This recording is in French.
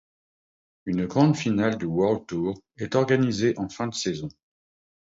Une Grande Finale du World Tour est organisée en fin de saison.